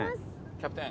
キャプテン。